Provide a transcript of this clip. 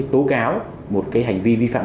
tố cáo một cái hành vi vi phạm